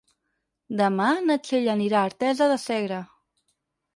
Demà na Txell anirà a Artesa de Segre.